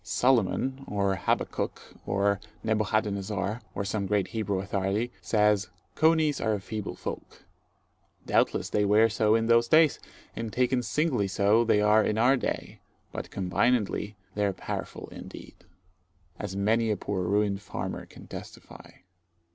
Solomon, or Habakkuk, or Nebuchadnezzar, or some great Hebrew authority, says, "Coneys are a feeble folk." Doubtless they were so in those days, and taken singly so they are in our day; but combinedly they are powerful indeed, as many a poor ruined farmer can testify.